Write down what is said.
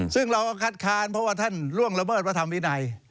ซึ่งเราก็คัดค้านเพราะว่าท่านล่วงละเมิดพระธรรมวินัย